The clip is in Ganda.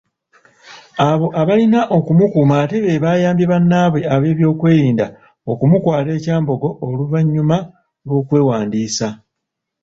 Abo abalina okumukuuma ate be baayambye bannaabwe ab'ebyokerinda okumukwata e Kyambogo oluvannyuma lw'okwewandiisa.